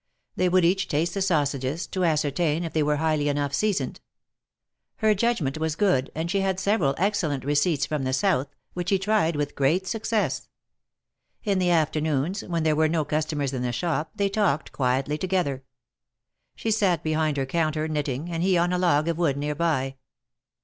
They would each taste the sausages, to ascertain if they were highly enough seasoned. Her judgment was good, and she had several excellent receipts from the South, which he tried with great success. In the afternoons, when there were no customers in the shop, they talked quietly together. She sat behind her counter knitting, and he on a log of wood near by.